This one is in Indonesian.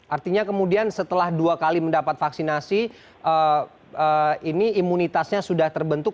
artinya kemudian setelah dua kali mendapat vaksinasi ini imunitasnya sudah terbentuk